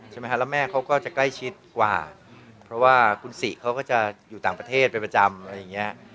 แล้วแม่เขาก็จะใกล้ชิดกว่าเพราะว่าคุณศรีเขาก็จะอยู่ต่างประเทศเป็นประจำอะไรอย่างนี้